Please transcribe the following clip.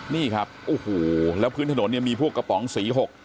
นี่ครับโอ้โหแล้วพื้นถนนเนี่ยมีพวกกระป๋องสีหก